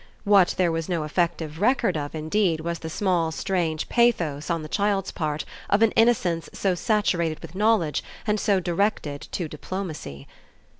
What there was no effective record of indeed was the small strange pathos on the child's part of an innocence so saturated with knowledge and so directed to diplomacy.